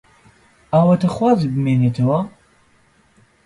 ئاواتەخوازی بمێنیتەوە؟